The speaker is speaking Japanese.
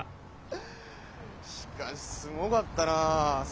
ハハハしかしすごかったなあ。